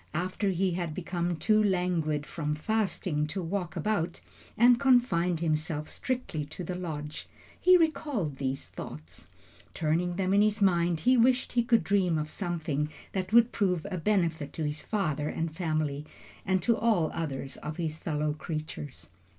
After he had become too languid from fasting to walk about, and confined himself strictly to the lodge, he recalled these thoughts. Turning them in his mind, he wished he could dream of something that would prove a benefit to his father and family, and to all others of his fellow creatures.